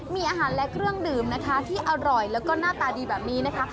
มีอาหารและเครื่องดื่มนะคะที่อร่อยแล้วก็หน้าตาดีแบบนี้นะคะ